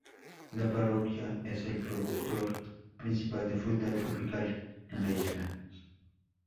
La parroquia es el productor principal de fruta tropical en la isla.